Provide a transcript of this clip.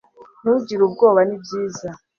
ntugire ubwoba nibyiza